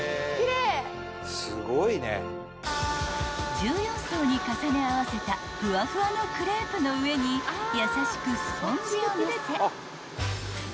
［１４層に重ね合わせたふわふわのクレープの上に優しくスポンジをのせ］